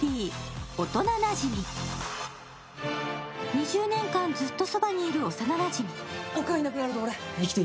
２０年間、ずっとそばにいる幼なじみ。